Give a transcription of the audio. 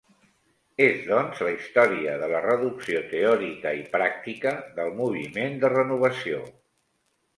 És, doncs, la història de la reducció teòrica i pràctica del moviment de renovació.